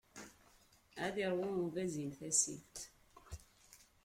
Ad iṛwu ubazin tasilt!